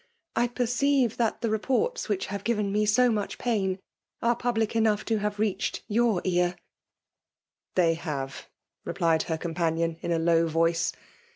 '*' I perceive that the reports which have g^ven me so much pain are public enough to have reached your ear/' They have/' replied her companion in a low voice.